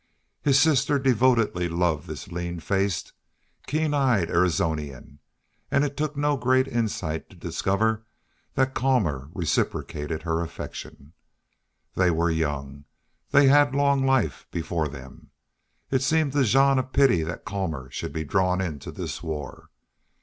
His sister devotedly loved this lean faced, keen eyed Arizonian; and it took no great insight to discover that Colmor reciprocated her affection. They were young. They had long life before them. It seemed to Jean a pity that Colmor should be drawn into this war.